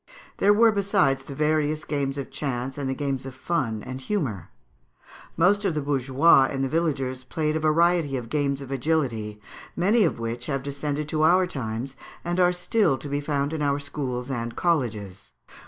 There were, besides, the various games of chance and the games of fun and humour. Most of the bourgeois and the villagers played a variety of games of agility, many of which have descended to our times, and are still to be found at our schools and colleges.